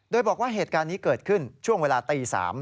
โดยบอกว่าเหตุการณ์นี้เกิดขึ้นช่วงเวลาตี๓